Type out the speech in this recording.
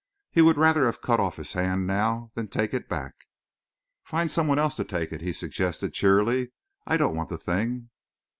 He would rather have cut off his hand, now, than take it back. "Find some one else to take it," he suggested cheerily. "I don't want the thing."